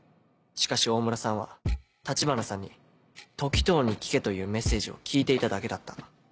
しかし大村さんは橘さんに「時任に聞け」というメッセージを聞いていただけだった。